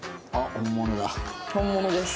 本物です。